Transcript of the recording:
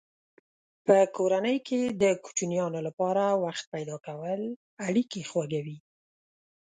په کورنۍ کې د کوچنیانو لپاره وخت پیدا کول اړیکې خوږوي.